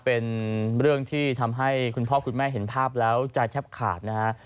เป็นเรื่องที่ทำให้คุณพ่อคุณแม่เห็นภาพแล้วใจแทบขาดนะฮะ